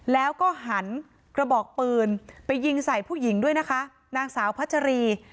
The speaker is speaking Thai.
แล้วก็หันกระบอกปืนไปยิงใส่ผู้หญิงด้วยนะคะนางสาวพัชรี